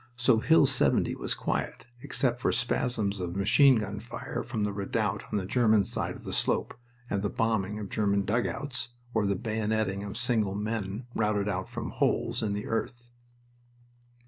So Hill 70 was quiet, except for spasms of machine gun fire from the redoubt on the German side of the slope and the bombing of German dugouts, or the bayoneting of single men routed out from holes in the earth.